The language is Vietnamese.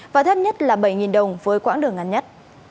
và thấp nhất là bảy đồng với quãng đường ngắn nhất